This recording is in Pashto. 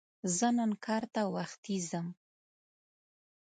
زه نن کار ته وختي ځم